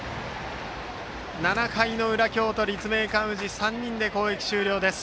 ７回の裏、京都・立命館宇治高校３人で攻撃終了です。